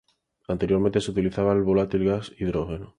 Anteriormente se utilizaba el volátil gas hidrógeno.